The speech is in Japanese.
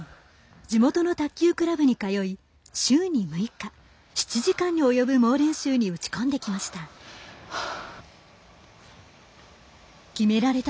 地元の卓球クラブに通い週に６日、７時間に及ぶ猛練習に打ち込んできました。